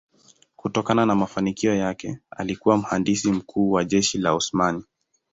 Kutokana na mafanikio yake alikuwa mhandisi mkuu wa jeshi la Osmani.